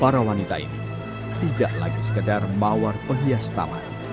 para wanita ini tidak lagi sekedar mawar penghias taman